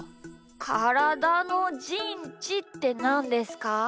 からだのじんちってなんですか？